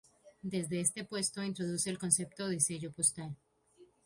Desde este puesto introduce el concepto de sello postal.